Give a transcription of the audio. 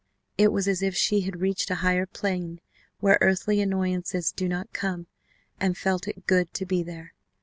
It was as if she had reached a higher plane where earthly annoyances do not come, and felt it good to be there.